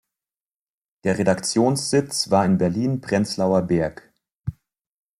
Der Redaktionssitz war in Berlin-Prenzlauer Berg.